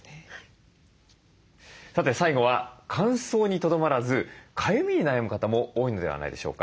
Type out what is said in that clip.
さて最後は乾燥にとどまらずかゆみに悩む方も多いのではないでしょうか。